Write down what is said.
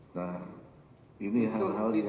nah ini hal halnya